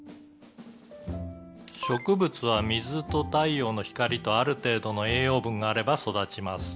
「植物は水と太陽の光とある程度の栄養分があれば育ちます」